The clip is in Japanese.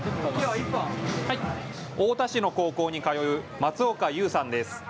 太田市の高校に通う松岡優さんです。